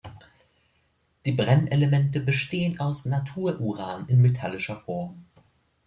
Die Brennelemente bestehen aus Natururan in metallischer Form.